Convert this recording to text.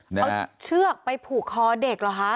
เอาเชือกไปผูกคอเด็กเหรอคะ